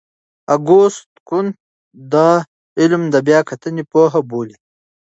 اګوست کُنت دا علم د بیا کتنې پوهه بولي.